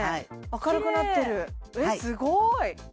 明るくなってる・えっすごーい！